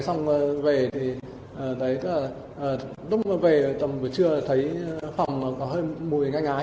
xong rồi về thì đúng là về tầm buổi trưa thấy phòng có hơi mùi ngay ngái